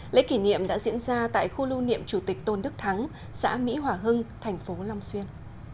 lễ kỷ niệm đã diễn ra tại khu lưu niệm chủ tịch tôn đức thắng xã mỹ hòa hưng thành phố long xuyên